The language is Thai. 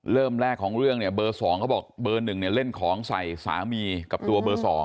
เริ่มแรกของเรื่องเนี่ยเบอร์๒เขาบอกเบอร์๑เนี่ยเล่นของใส่สามีกับตัวเบอร์๒